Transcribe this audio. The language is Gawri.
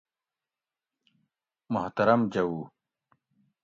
محترم جوؤ!